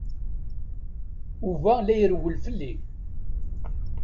Yuba la irewwel fell-i.